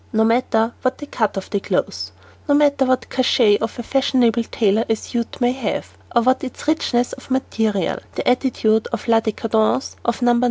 No matter what the cut of the cloth, no matter what cachet of a fashionable tailor a suit may have, or what its richness of material, the attitude "à la decadence" of No.